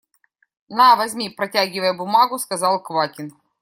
– На, возьми, – протягивая бумагу, сказал Квакин.